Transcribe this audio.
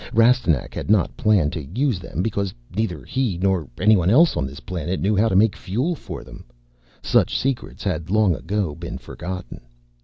Rastignac had not planned to use them because neither he nor any one else on this planet knew how to make fuel for them. Such secrets had long ago been forgotten.